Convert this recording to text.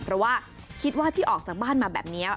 เพราะว่าคิดว่าที่ออกจากบ้านมาแบบนี้